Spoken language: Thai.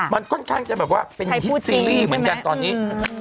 มันค่อนข้างจะแบบว่าเป็นฮิตซีรีส์เหมือนกันตอนนี้